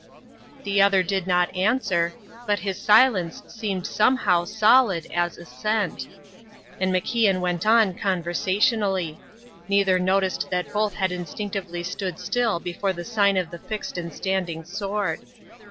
The other did not answer, but his silence seemed somehow solid as assent; and MacIan went on conversationally. Neither noticed that both had instinctively stood still before the sign of the fixed and standing sword.